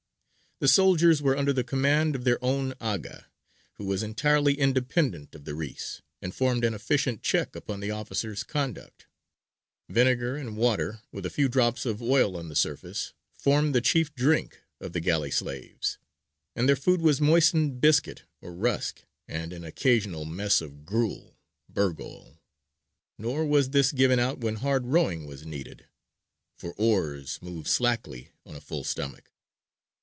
The soldiers were under the command of their own Aga, who was entirely independent of the Reïs and formed an efficient check upon that officer's conduct. Vinegar and water, with a few drops of oil on the surface, formed the chief drink of the galley slaves, and their food was moistened biscuit or rusk, and an occasional mess of gruel (burgol): nor was this given out when hard rowing was needed, for oars move slackly on a full stomach.